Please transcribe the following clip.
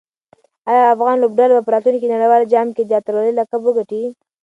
آیا افغان لوبډله به په راتلونکي نړیوال جام کې د اتلولۍ لقب وګټي؟